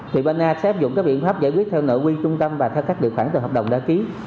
thì bên a sẽ áp dụng các biện pháp giải quyết theo nội quy trung tâm và theo các điều khoản từ hợp đồng đã ký